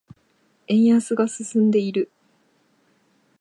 円安が進んでいる。